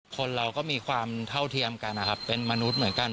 คนเราก็มีความเท่าเทียมกันนะครับเป็นมนุษย์เหมือนกัน